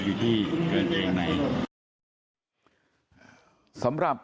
สวัสดีครับคุณผู้ชาย